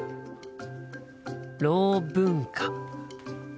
ろう文化。